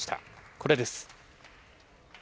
これです。